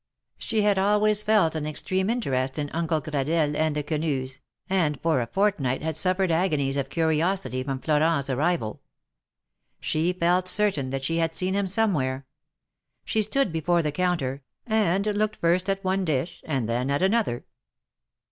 She had always felt an extreme interest in Uncle Gradelle and the Quenus, and for a fortnight had suiFered agonies of curiosity from Florenfs arrival. She felt certain that she had seen him somewhere. She stood before the counter, and looked first at one dish and then at another.